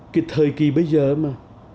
cái thời kỳ bây giờ mà